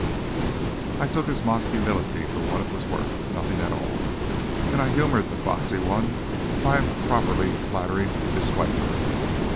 I took this mock humility for what it was worth, nothing at all, and I humored the foxy one by a properly flattering disclaimer.